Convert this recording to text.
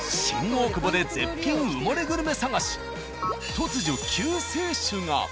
突如救世主が！